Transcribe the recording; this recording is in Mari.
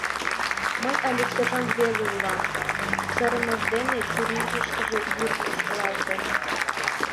Мый але сержант веле улам, — сырымыж дене чурийышкыже вӱр кышкалалте.